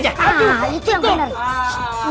itu yang bener